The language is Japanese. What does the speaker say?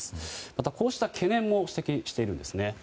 またこうした懸念も指摘しています。